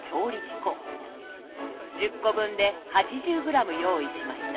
１０個分で８０グラム用意しました。